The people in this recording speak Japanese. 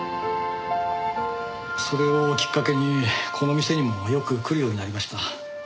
それをきっかけにこの店にもよく来るようになりました。